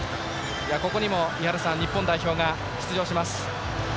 ここにも井原さん日本代表が出場します。